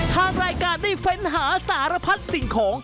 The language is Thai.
ทางรายการได้เฟ้นหาสารพัดสิ่งของ